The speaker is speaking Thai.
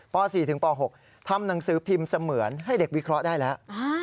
ป๔ถึงป๖ทำหนังสือพิมพ์เสมือนให้เด็กวิเคราะห์ได้แล้ว